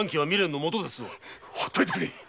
ほっといてくれ。